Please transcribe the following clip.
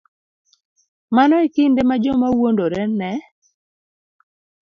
Mano e kinde ma joma wuondore ne